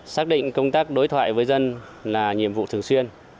xác định công tác đối thoại với dân là nhiệm vụ thường xuyên